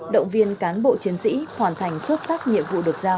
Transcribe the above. động viên cán bộ chiến sĩ hoàn thành xuất sắc nhiệm vụ được giao